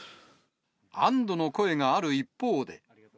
安どの声がある一方で。